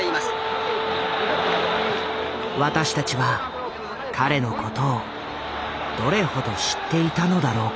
私たちは彼のことをどれほど知っていたのだろうか。